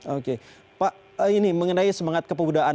oke pak ini mengenai semangat kepemudaan